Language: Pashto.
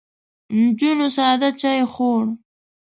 نجونو ساده چای خوړ.